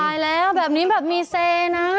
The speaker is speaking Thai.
ตายแล้วแบบนี้แบบมีเซนะ